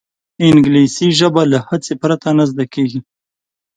انګلیسي ژبه له هڅې پرته نه زده کېږي